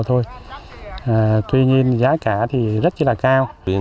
tuy nhiên giá cả thì rất là cao